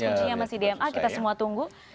kuncinya masih dma kita semua tunggu